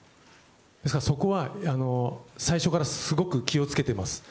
ですからそこは、最初からすごく気をつけています。